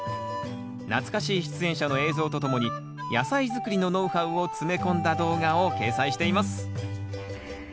懐かしい出演者の映像とともに野菜作りのノウハウを詰め込んだ動画を掲載しています。